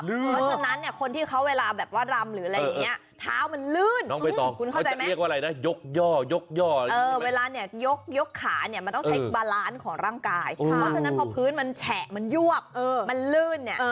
เพราะฉะนั้นคนที่เขาเวลาแบบว่ารำหรืออะไรอย่างเนี้ย